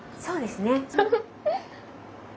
そうですね。